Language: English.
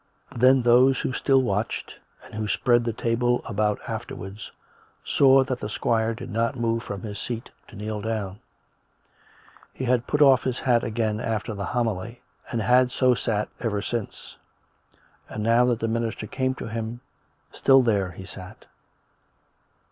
Then those who still watched, and who spread the tale about afterwards, saw that the squire did not move from his seat to kneel down. He had put off his hat again after the homily, and had so sat ever since; and now that the minister came to him, still there he sat.